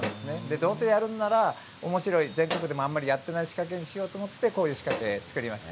どうせやるなら、おもしろい全国でもあまりやっていない仕掛けにしようと思ってこういう仕掛けを作りました。